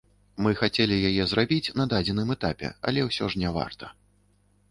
Мы хацелі яе зрабіць на дадзеным этапе, але ўсё ж не варта.